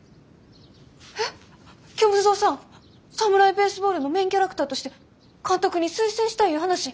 「サムライ・ベースボール」のメインキャラクターとして監督に推薦したいいう話。